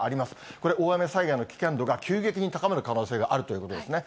これ、大雨災害の危険度が急激に高まる可能性があるということですね。